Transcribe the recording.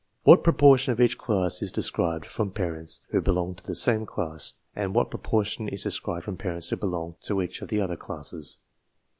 What proportion of each class is descended from parents who belong to the same class, and what proportion is descended from parents who belong to each of the other classes